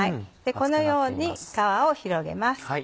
このように皮を広げます。